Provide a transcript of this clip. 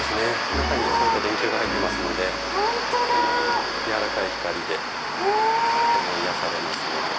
中に一個一個電球が入ってますのでやわらかい光でとても癒やされますので。